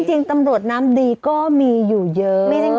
จริงตำรวจน้ำดีก็มีอยู่เยอะ